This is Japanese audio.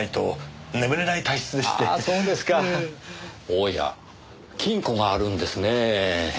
おや金庫があるんですねぇ。